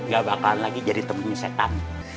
gak bakalan lagi jadi temui setan